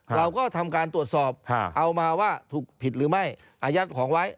เราก็ทำการตรวจสอบเอามาว่าถูกผิดหรือไม่อายัดของไว้